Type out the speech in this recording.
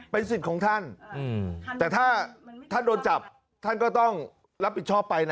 เป็นสิทธิ์ของท่านแต่ถ้าท่านโดนจับท่านก็ต้องรับผิดชอบไปนะ